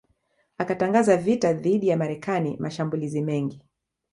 akatangaza vita dhidi ya Marekani mashambulizi mengi